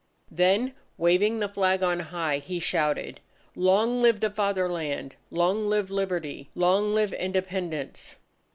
Then waving the flag on high, he shouted: "Long live the Fatherland! Long live Liberty! Long live Independence!"